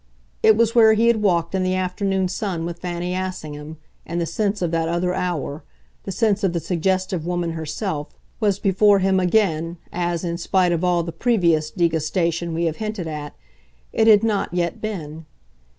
It was where he had walked in the afternoon sun with Fanny Assingham, and the sense of that other hour, the sense of the suggestive woman herself, was before him again as, in spite of all the previous degustation we have hinted at, it had not yet been.